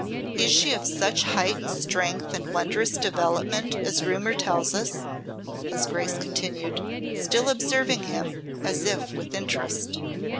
"Is she of such height and strength and wondrous development as rumour tells us?" his Grace continued, still observing him as if with interest.